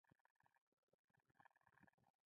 د سکس پر مهال د يو بل سترګو ته کتل مينه ډېروي.